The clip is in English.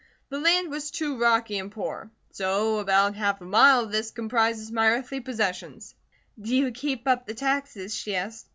The land was too rocky and poor. So about half a mile of this comprises my earthly possessions." "Do you keep up the taxes?" she asked.